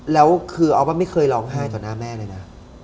แล้วคือออฟว่าไม่เคยร้องไห้ต่อหน้าแม่เลยนะ